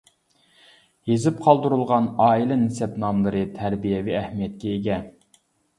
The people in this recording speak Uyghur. يېزىپ قالدۇرۇلغان ئائىلە نەسەبنامىلىرى تەربىيەۋى ئەھمىيەتكە ئىگە.